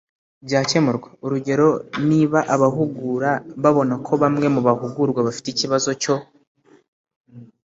byakemurwa Urugero niba abahugura babona ko bamwe mu bahugurwa bafite ikibazo cyo